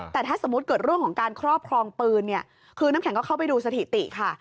แต่ถ้าสมมุติเกิดเรื่องของการครอบครองปืนเนี่ยคือน้ำแข็งก็เข้าไปดูสถิติค่ะ